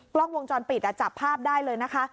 กล้องวงจรปิดจับภาพได้เลยนะคะ